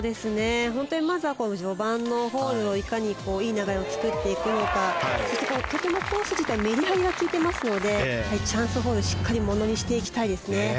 まずは序盤のホールをいかにいい流れを作っていくのかそしてコース自体メリハリが利いていますのでチャンスホールをしっかりものにしていきたいですね。